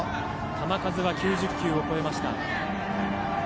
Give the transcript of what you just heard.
球数が９０球を超えました。